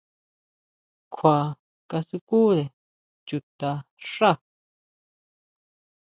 Kjua kasukúre chuta xá.